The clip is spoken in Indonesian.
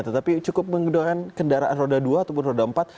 tetapi cukup menggunakan kendaraan roda dua ataupun roda empat